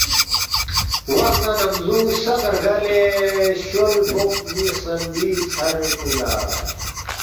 وخ نہ نمزونگ سق رگالے شول فوق نی خسمبی ژھرپو لا